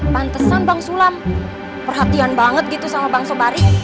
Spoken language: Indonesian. pantesan bang sulam perhatian banget gitu sama bang sobari